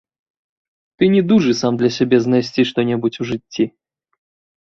Ты не дужы сам для сябе знайсці што-небудзь у жыцці.